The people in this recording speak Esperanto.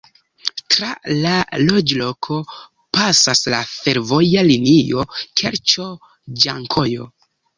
Tra la loĝloko pasas la fervoja linio Kerĉo-Ĝankojo.